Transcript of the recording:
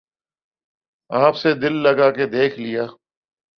آپ سے دل لگا کے دیکھ لیا